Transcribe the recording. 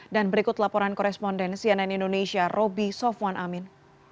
dan berikut laporan koresponden cnn indonesia roby sofwan amin